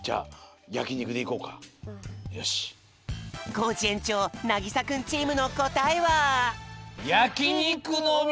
コージ園長なぎさくんチームのこたえは？